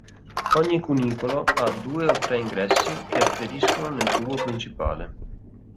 Ogni cunicolo ha due o tre ingressi che afferiscono nel tubo principale.